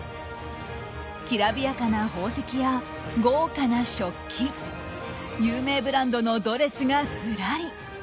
きらびやかな宝石や豪華な食器有名ブランドのドレスがずらり。